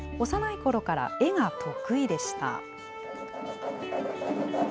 幼いころから絵が得意でした。